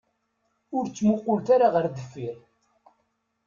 Ur ttmuqulet ara ɣer deffir.